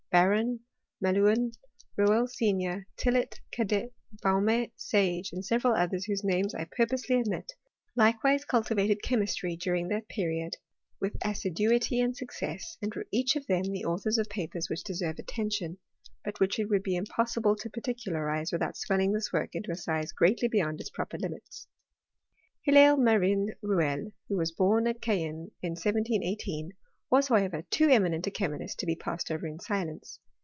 Baron, Malouin, Rouelle senior, Tillet, Cadet, Baume, Sage, and several others whose names I purposely omit, likewise cultivated chemistry, during that period, with assiduity and success ; and were each of them the authors of papers which deserve attention, but which it would be impossible to particularize without swelling this work into a size greatly beyond its proper limits. Hilaire Marin Rouelle, who was born at Caen in 1718, was, however, too eminent a chemist to be passed over in silence.